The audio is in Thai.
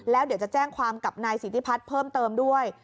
แล้วเดี๋ยวจะแจ้งความกับนายสิทธิพัฒน์เพิ่มเติมด้วย